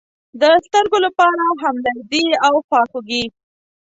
د سترگو لپاره همدردي او خواخوږي.